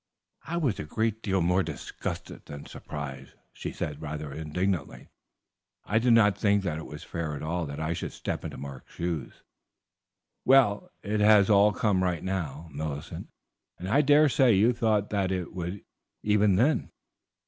"I was a great deal more disgusted than surprised," she said rather indignantly. "I did not think that it was fair at all that I should step into Mark's shoes." "Well, it has all come right now, Millicent, and I dare say you thought that it would, even then."